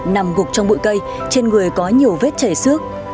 nằm gục trong bụi cây trên người có nhiều vết chảy xước